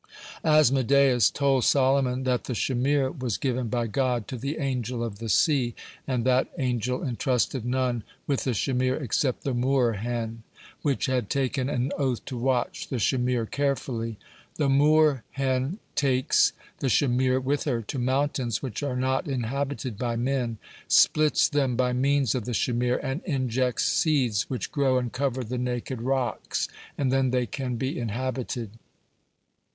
Asmodeus told Solomon that the shamir was given by God to the Angel of the Sea, and that Angel entrusted none with the shamir except the moor hen, (85) which had taken an oath to watch the shamir carefully. The moor hen takes the shamir with her to mountains which are not inhabited by men, splits them by means of the shamir, and injects seeds, which grow and cover the naked rocks, and then they can be inhabited.